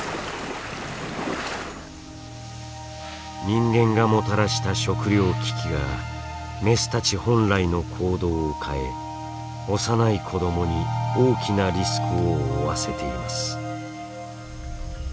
人間がもたらした食糧危機がメスたち本来の行動を変え幼い子どもに大きなリスクを負わせています。